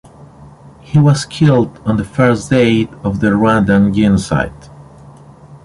He was killed on the first day of the Rwandan Genocide.